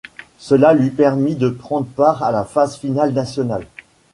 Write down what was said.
Cela lui permit de prendre part à la phase finale nationale.